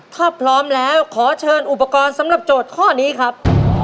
ถ้าพร้อมแล้วขอเชิญอุปกรณ์สำหรับโจทย์ข้อนี้ครับ